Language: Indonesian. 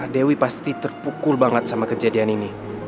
dewi pasti terpukul banget sama kejadian ini